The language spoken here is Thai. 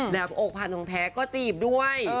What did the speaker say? แล้วโอปาร์ตรงแท้ก็จีบด้วย